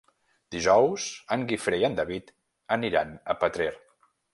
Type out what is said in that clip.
Dijous en Guifré i en David aniran a Petrer.